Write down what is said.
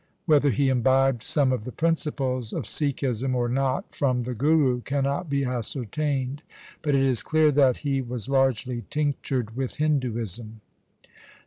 Whether he imbibed some of the principles of Sikhism or not from the Guru cannot be ascertained, but it is clear that he was largely tinctured with Hinduism.